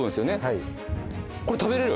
はいこれ食べれる？